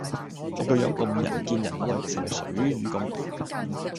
你個樣咁人見人愛，成條水魚咁